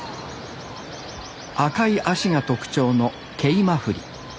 赤い足が特徴のケイマフリ。